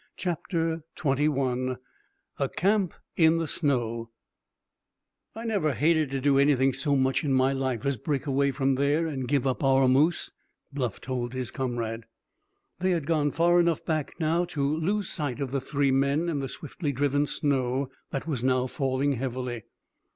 CHAPTER XXI A CAMP IN THE SNOW "I never hated to do anything so much in my life as break away from there and give up our moose!" Bluff told his comrade. They had gone far enough back to lose sight of the three men in the swiftly driven snow that was now falling heavily.